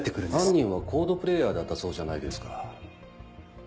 犯人はＣＯＤＥプレイヤーだったそうじゃないですか。